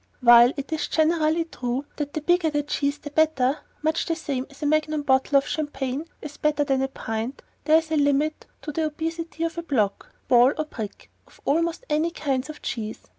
While it is generally true that the bigger the cheese the better, (much the same as a magnum bottle of champagne is better than a pint), there is a limit to the obesity of a block, ball or brick of almost any kinds of cheese.